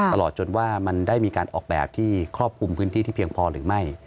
ตลอดจนว่ามันได้มีการออกแบบที่ครอบคลุมพื้นที่ที่เพียงพอหรือไม่